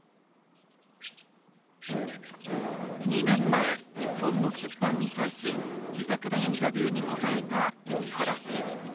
２年前、本の出版に際し自宅でインタビューに答えた石原氏。